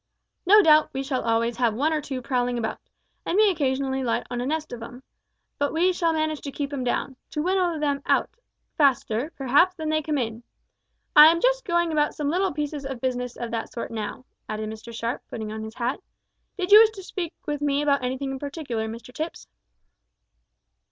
No doubt we shall always have one or two prowling about, and may occasionally alight on a nest of 'em, but we shall manage to keep 'em down to winnow them out faster, perhaps, than they come in. I am just going about some little pieces of business of that sort now," added Mr Sharp; putting on his hat. "Did you wish to speak with me about anything in particular, Mr Tipps?"